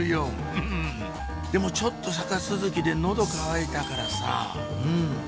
フフっでもちょっと坂続きで喉渇いたからさうん！